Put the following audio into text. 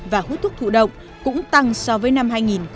và hút thuốc thụ động cũng tăng so với năm hai nghìn một mươi